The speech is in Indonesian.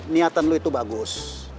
niatan lo itu bagus